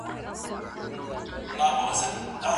څوک چي له لوڼو سره احسان وکړي، د هغه لپاره جنت دی.